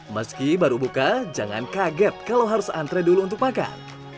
meski baru buka jangan kaget kalau harus antre dulu untuk makan